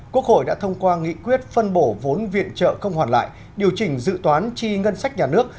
quốc hội đã thông qua nghị quyết phân bổ vốn viện trợ không hoàn lại điều chỉnh dự toán chi ngân sách nhà nước